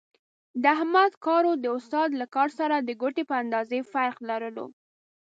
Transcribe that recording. د احمد کارو د استاد له کار سره د ګوتې په اندازې فرق لرلو.